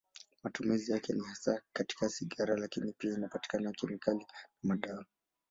Matumizi yake ni hasa katika sigara, lakini pia katika kemikali na madawa.